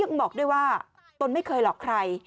กินให้ดูเลยค่ะว่ามันปลอดภัย